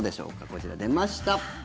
こちら出ました。